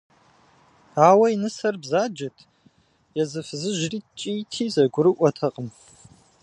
Ауэ и нысэр бзаджэт, езы фызыжьри ткӏийти зэгурыӏуэтэкъым.